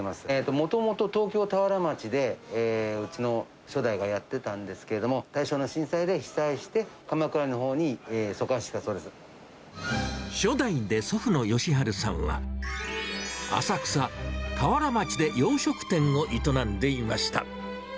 もともと東京・田原町で、うちの初代がやってたんですけれども、大正の震災で被災して、鎌倉のほ初代で祖父の義春さんは、浅草田原町で洋食店を営んでいました。